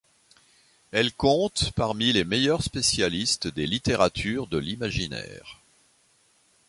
Elle compte parmi les meilleurs spécialistes des littératures de l'imaginaire.